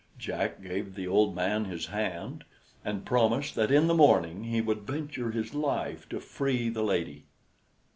Jack gave the old man his hand, and promised that in the morning he would venture his life to free the lady.